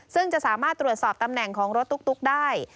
ซึ่งจะสามารถตรวจสอบตำแหน่งของรถตุ๊กได้